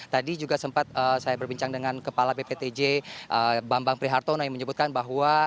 tadi juga sempat saya berbincang dengan kepala bptj bambang prihartono yang menyebutkan bahwa